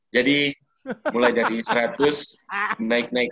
jadi mulai dari seratus naik naik